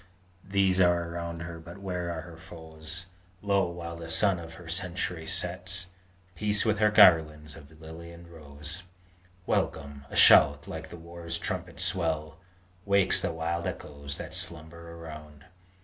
These are around her; but where are her foes? Lo, while the sun of her century sets, Peace with her garlands of lily and rose! Welcome! a shout like the war trumpet's swell Wakes the wild echoes that slumber around!